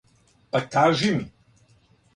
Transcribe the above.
Па кажи ми.